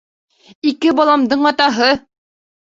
Ике баламдың атаһы!